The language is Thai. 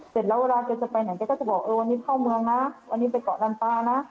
เสร็จแล้วเวลาแกจะไปไหนแกก็จะบอกเออวันนี้เข้าเมืองนะวันนี้ไปเกาะลันปลานะ